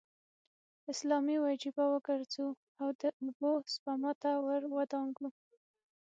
اسلامي وجیبه وګرځو او د اوبو سپما ته ور ودانګو.